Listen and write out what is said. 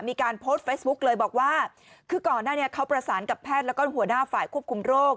มีการโพสต์เฟซบุ๊กเลยบอกว่าคือก่อนหน้านี้เขาประสานกับแพทย์แล้วก็หัวหน้าฝ่ายควบคุมโรค